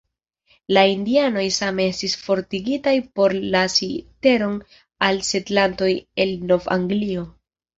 La indianoj same estis forigitaj por lasi teron al setlantoj el Nov-Anglio.